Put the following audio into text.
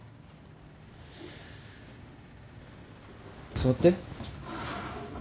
座って。